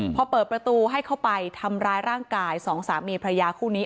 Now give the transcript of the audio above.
พอเปิดประตูให้เข้าไปทำร้ายร่างกายสองสามีพระยาคู่นี้